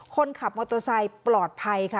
คนขับมอเตอร์ไซค์ปลอดภัยค่ะ